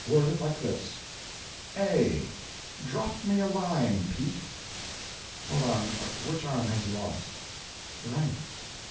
Word it like this: "A. DROP ME A LINE, PETE." "Hold on. Which arm has he lost?" "The right."